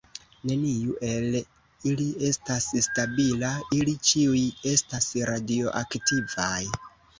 Neniu el ili estas stabila; ili ĉiuj estas radioaktivaj.